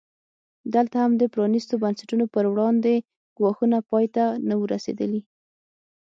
دلته هم د پرانیستو بنسټونو پر وړاندې ګواښونه پای ته نه وو رسېدلي.